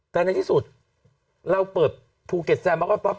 แต่ในที่สุดเราเปิดภูเก็ตแซนมาก่อนป๊อ